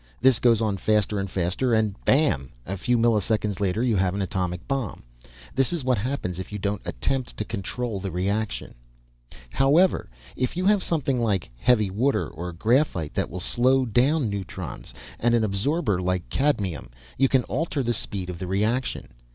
This goes on faster and faster and bam, a few milliseconds later you have an atomic bomb. This is what happens if you don't attempt to control the reaction. "However, if you have something like heavy water or graphite that will slow down neutrons and an absorber like cadmium, you can alter the speed of the reaction.